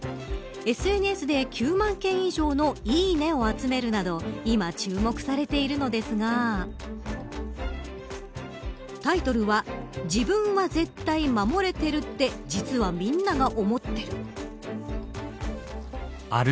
ＳＮＳで９万件以上のいいねを集めるなど今、注目されているのですがタイトルは自分は絶対守れてるって実はみんなが思ってる。